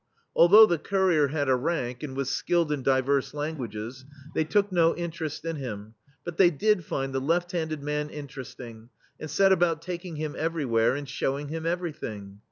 Although the Courier had a rank* and was skilled in divers languages, they took no inter est in him, but they did find the left handed man interesting, and set about taking him everywhere and showing him everything.